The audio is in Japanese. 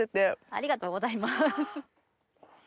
ありがとうございます。